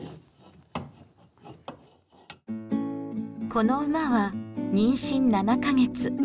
この馬は妊娠７か月。